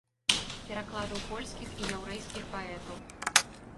Перакладаў польскіх і яўрэйскіх паэтаў.